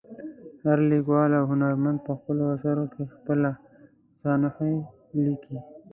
هر لیکوال او هنرمند په خپلو اثرو کې خپله سوانح لیکي.